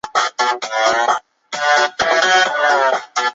有的游戏装备需要达到一定的声望才能装备在身上。